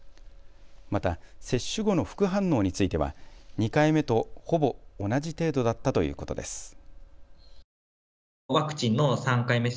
また接種後の副反応については２回目とほぼ同じ程度だったということです。